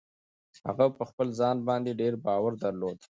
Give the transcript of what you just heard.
هغه په خپل ځان باندې ډېر باور درلود.